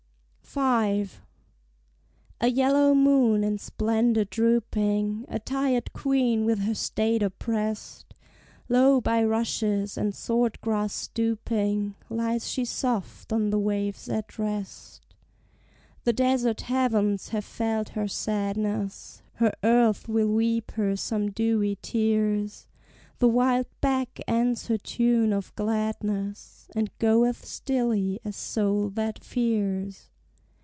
V. A yellow moon in splendor drooping, A tired queen with her state oppressed, Low by rushes and sword grass stooping, Lies she soft on the waves at rest. The desert heavens have felt her sadness; Her earth will weep her some dewy tears; The wild beck ends her tune of gladness, And goeth stilly as soul that fears.